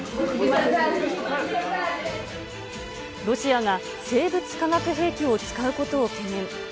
ロシアが生物化学兵器を使うことを懸念。